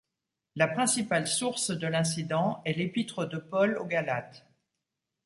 La principale source de l'incident est l'Épître de Paul aux Galates.